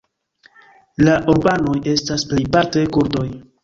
La urbanoj estas plejparte kurdoj.